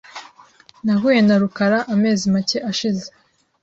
Nahuye na rukara amezi make ashize .